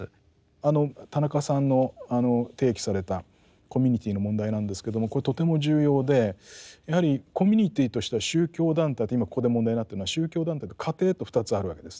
あの田中さんの提起されたコミュニティーの問題なんですけどもこれとても重要でやはりコミュニティーとしては宗教団体って今ここで問題になってるのは宗教団体と家庭と２つあるわけですね。